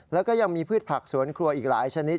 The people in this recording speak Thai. แล้วก็ยังมีพืชผักสวนครัวอีกหลายชนิด